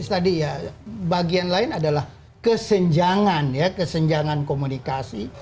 tadi ya bagian lain adalah kesenjangan ya kesenjangan komunikasi